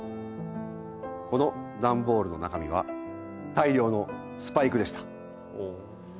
この段ボールの中身は大量のスパイクでした。